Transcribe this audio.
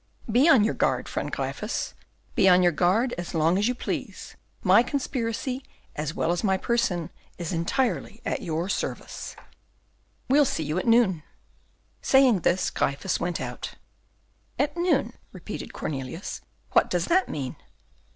"Be on your guard, friend Gryphus; be on your guard as long as you please; my conspiracy, as well as my person, is entirely at your service." "We'll see that at noon." Saying this, Gryphus went out. "At noon?" repeated Cornelius; "what does that mean?